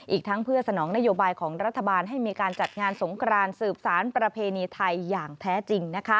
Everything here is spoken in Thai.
อีกทั้งเพื่อสนองนโยบายของรัฐบาลให้มีการจัดงานสงครานสืบสารประเพณีไทยอย่างแท้จริง